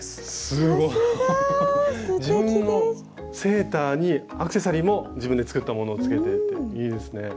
すごい！自分のセーターにアクセサリーも自分で作ったものをつけていていいですね。